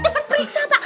cepet periksa pak